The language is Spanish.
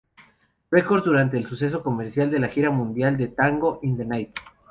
Records, durante el suceso comercial de la gira mundial de "Tango in the Night".